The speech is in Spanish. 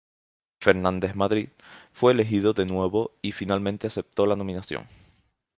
Fernández Madrid fue elegido de nuevo y finalmente aceptó la nominación.